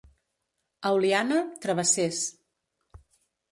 A Oliana, travessers.